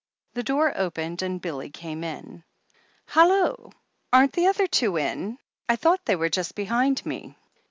The door opened, and Billy came in. "Hallo, aren't the other two in? I thought they were just behind me.